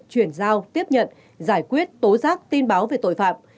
chuyển giao tiếp nhận giải quyết tố giác tin báo về tội phạm